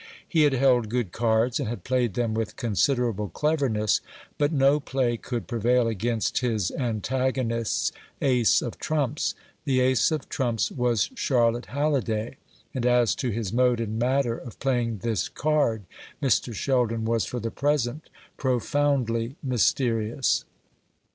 He had held good cards, and had played them with considerable cleverness; but no play could prevail against his antagonist's ace of trumps. The ace of trumps was Charlotte Halliday; and as to his mode and matter of playing this card, Mr. Sheldon was for the present profoundly mysterious.